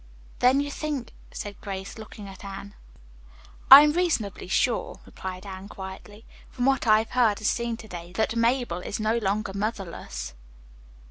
"Then you think " said Grace, looking at Anne. "I am reasonably sure," replied Anne quietly, "from what I have heard and seen to day that Mabel is no longer motherless."